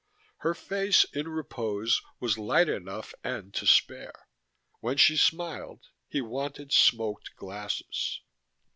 Her face, in repose, was light enough and to spare; when she smiled, he wanted smoked glasses.